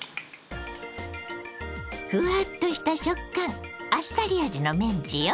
ふわっとした食感あっさり味のメンチよ。